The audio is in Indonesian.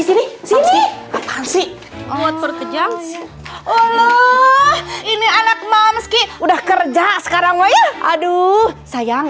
sini sini apaan sih oh perkejaran ini anak mamski udah kerja sekarang woy aduh sayang